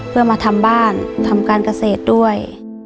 เพื่อมาทำบ้านทำการเกษตรด้วย